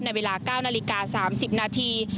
ในเวลา๙นาฬิกา๓๐นาที